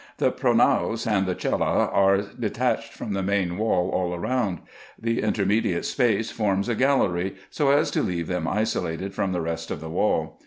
The pronaos and the cella are detached from the main wall all round ; the intermediate space forms a gallery, so as to leave them isolated from the rest of the wall.